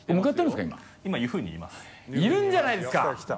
いるんじゃないですか！